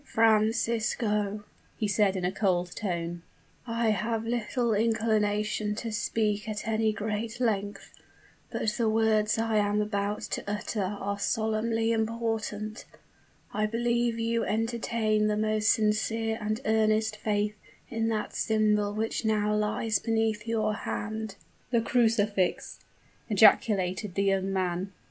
"Francisco," he said, in a cold tone, "I have little inclination to speak at any great length; but the words I am about to utter are solemnly important. I believe you entertain the most sincere and earnest faith in that symbol which now lies beneath your hand." "The crucifix!" ejaculated the young man.